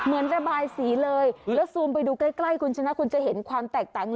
เหมือนระบายสีเลยแล้วซูมไปดูใกล้คุณชนะคุณจะเห็นความแตกต่าง